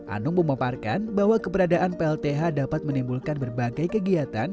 anung memaparkan bahwa keberadaan plth dapat menimbulkan berbagai kegiatan